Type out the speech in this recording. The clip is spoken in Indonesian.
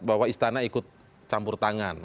bahwa istana ikut campur tangan